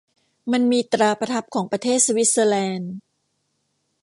มันมีตราประทับของประเทศสวิสเซอร์แลนด์